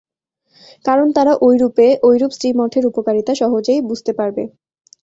কারণ, তারা ঐরূপ স্ত্রী-মঠের উপকারিতা সহজেই বুঝতে পারবে।